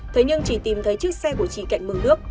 thế nhưng chỉ tìm thấy chiếc xe của chị cạnh mừng nước